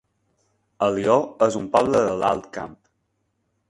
Alió es un poble de l'Alt Camp